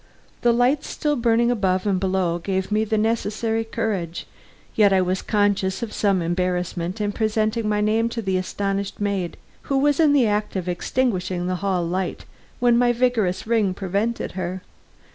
The lights still burning above and below gave me the necessary courage. Yet I was conscious of some embarrassment in presenting my name to the astonished maid, who was in the act of extinguishing the hall light when my vigorous ring prevented her.